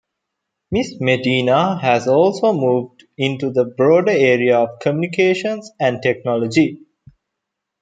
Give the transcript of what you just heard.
Ms. Medina has also moved into the broader area of communications and technology.